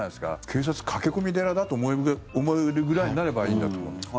警察、駆け込み寺だと思えるぐらいになればいいんだと思うんですけど。